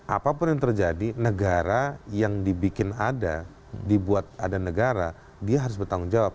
apapun yang terjadi negara yang dibikin ada dibuat ada negara dia harus bertanggung jawab